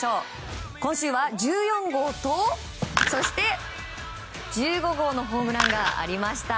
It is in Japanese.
今週は１４号と１５号のホームランがありました。